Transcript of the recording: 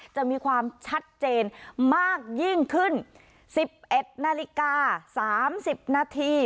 จะมีความชัดเจนมากยิ่งขึ้นสิบเอ็ดนาฬิกาสามสิบนาที